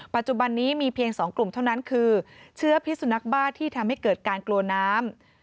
ปัจจุบันนี้มีเพียง๒กลุ่มเท่านั้นคือเชื้อพิสุนักบ้าที่ทำให้เกิดการกลัวน้ำ